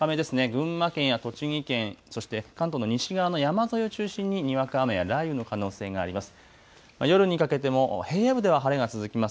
群馬県や栃木県、そして関東の西側の山沿いを中心ににわか雨や雷雨の可能性があります。